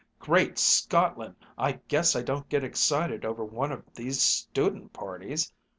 "Great Scotland! I guess I don't get excited over one of these student parties!"